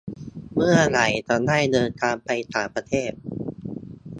เมื่อไหร่จะได้เดินทางไปต่างประเทศ